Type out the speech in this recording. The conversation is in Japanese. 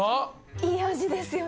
いい味ですよね。